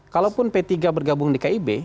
kalaupun p tiga bergabung di kib